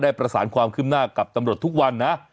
ประสานความคืบหน้ากับตำรวจทุกวันนะ